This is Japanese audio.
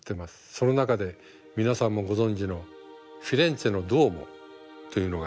その中で皆さんもご存じのフィレンツェのドゥオーモというのがあります。